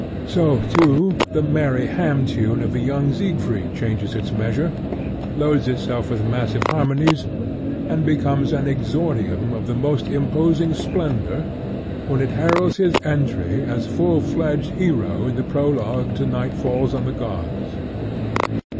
So, too, the merry ham tune of the young Siegfried changes its measure, loads itself with massive harmonies, and becomes an exordium of the most imposing splendor when it heralds his entry as full fledged hero in the prologue to Night Falls On The Gods.